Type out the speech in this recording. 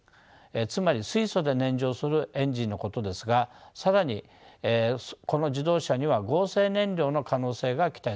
つまり水素で燃焼するエンジンのことですが更にこの自動車には合成燃料の可能性が期待されます。